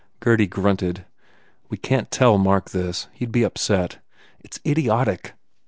Gurdy grunted, "We can t tell Mark this. He d be upset. It s idiotic."